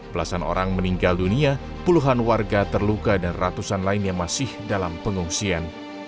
belasan orang meninggal dunia puluhan warga terluka dan ratusan lain yang masih dalam pengungsian